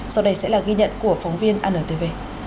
sau đây sẽ là ghi nhận của phóng viên antv